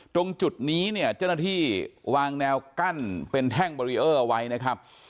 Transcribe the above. ตรงจุดนี้เนี่ยเจ้าหน้าที่วางแนวกั้นเป็นแท่งบารีเออร์เอาไว้นะครับ